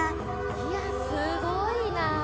いやすごいな！